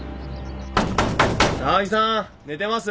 高木さん寝てます？